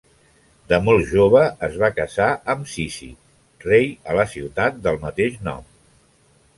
De molt jove, es va casar amb Cízic, rei a la ciutat del mateix nom.